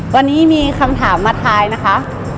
วันนี้มีคำถามมาทายนะคะ